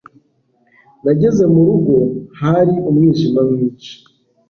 Nageze mu rugo hari umwijima mwinshi